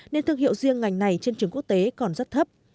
nên thương hiệu riêng ngành này trên trường quốc tế còn rất thấp